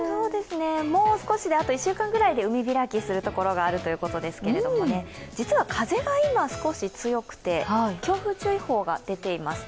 もう少しで、あと１週間ぐらいで海開きするところがあるということですが実は風が今、少し強くて強風注意報が出ています。